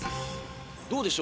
どうでしょう？